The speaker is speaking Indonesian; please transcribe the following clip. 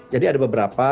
jadi ada beberapa